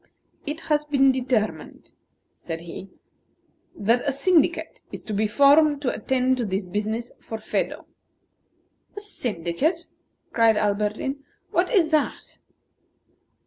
"It has been determined," said he, "that a syndicate is to be formed to attend to this business for Phedo." "A syndicate!" cried Alberdin. "What is that?"